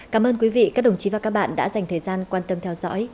cảm ơn quý vị các đồng chí và các bạn đã dành thời gian quan tâm theo dõi